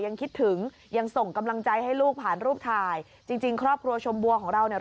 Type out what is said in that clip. คิดถึงยังส่งกำลังใจให้ลูกผ่านรูปถ่ายจริงจริงครอบครัวชมบัวของเราเนี่ย